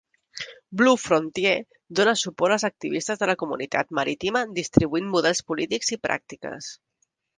Blue Frontier dona suport als activistes de la comunitat marítima distribuint models polítics i pràctiques.